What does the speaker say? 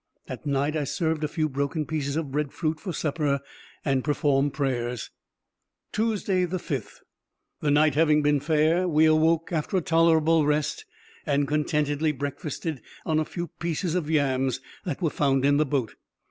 At night I served a few broken pieces of bread fruit for supper, and performed prayers. Tuesday, 5th.—The night having been fair, we awoke after a tolerable rest, and contentedly breakfasted on a few pieces of yams that were found in the boat.